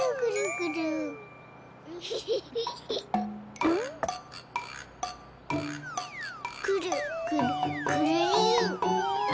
くるくるくるりん。